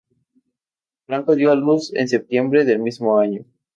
Franco dio a luz en septiembre del mismo año.